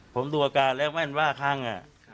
ผมดูอาการแล้วแม่นว่าคลั่ง